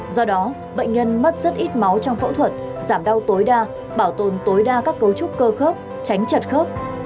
do đó bệnh nhân mất rất ít máu trong phẫu thuật giảm đau tối đa bảo tồn tối đa các cấu trúc cơ khớp tránh chật khớp